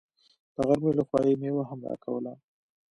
د غرمې له خوا يې مېوه هم راکوله.